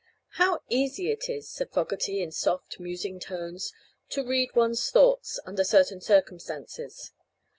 "How easy it is," said Fogerty, in soft, musing tones, "to read one's thoughts under certain circumstances.